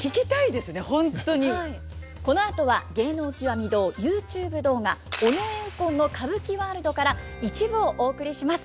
このあとは「芸能きわみ堂」ＹｏｕＴｕｂｅ動画「尾上右近の歌舞伎ワールド」から一部をお送りします。